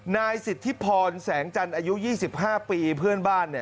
นายสิทธิพรแสงจันทร์อายุ๒๕ปีเพื่อนบ้าน